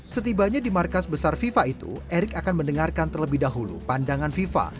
setibanya di markas besar fifa itu erick akan mendengarkan terlebih dahulu pandangan viva